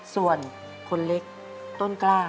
ส่วนคนเล็กต้นกล้า